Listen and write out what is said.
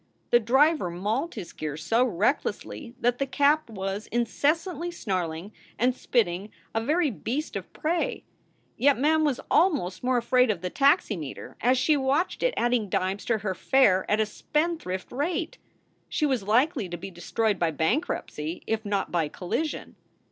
The driver mauled his gears so recklessly that the cab was incessantly snarling and spitting, a very beast of prey. Yet Mem was almost more afraid of the taximeter, as she watched it adding dimes to her fare at a spendthrift rate. She was likely to be destroyed by bankruptcy if not by collision.